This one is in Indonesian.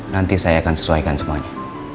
nanti saya akan sesuaikan semuanya